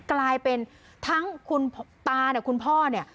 กลายเป็นทั้งคุณตาเนี่ยคุณพ่อเนี่ย